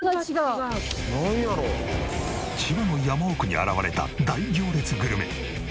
千葉の山奥に現れた大行列グルメ。